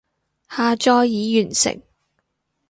下載已完成